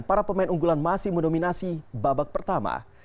para pemain unggulan masih mendominasi babak pertama